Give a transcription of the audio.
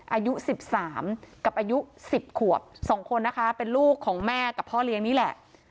อายุ๑๓กับอายุ๑๐ขวบ๒คนนะคะเป็นลูกของแม่กับพ่อเลี้ยงนี่แหละ